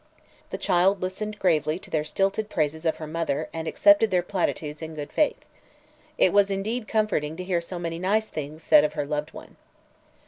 The child listened gravely to their stilted praises of her mother and accepted their platitudes in good faith. It was indeed comforting to hear so many nice things said of her loved one.